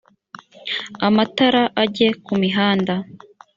amatara ajye kumihanda